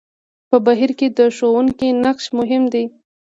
په بهير کې د ښوونکي نقش مهم وي.